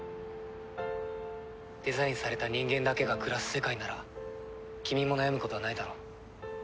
デザインされた人間だけが暮らす世界なら君も悩むことはないだろう。